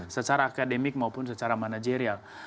secara akademik maupun secara manajerial